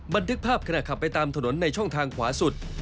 บันทึกภาพขณะขับไปตามถนนในช่องทางขวาสุด